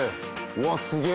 うわっすげえ！